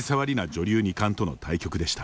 女流二冠との対局でした。